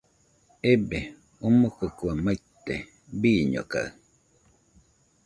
Ebee, omokɨ kue maite, bɨñokaɨɨɨ